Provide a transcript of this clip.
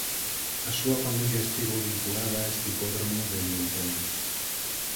A súa familia estivo vinculada a este hipódromo dende entón.